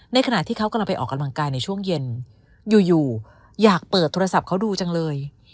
ขณะที่เขากำลังไปออกกำลังกายในช่วงเย็นอยู่อยากเปิดโทรศัพท์เขาดูจังเลย